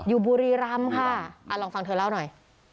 บุรีรำค่ะลองฟังเธอเล่าหน่อย